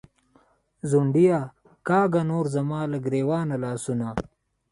“ځونډیه”کاږه نور زما له ګرېوانه لاسونه